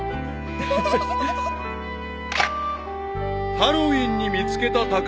［ハロウィーンに見つけた宝物］